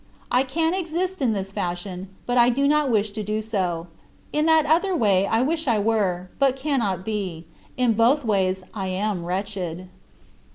I can exist in this fashion but I do not wish to do so. In that other way I wish I were, but cannot be in both ways I am wretched.